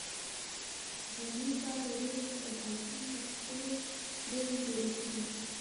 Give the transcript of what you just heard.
دوه نیم کاله وروسته د پاڅون د ځپلو ډلې جوړې شوې.